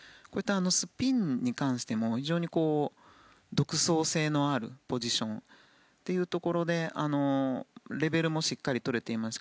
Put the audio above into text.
スピンに関しても非常に独創性のあるポジションというところでレベルもしっかり取れています。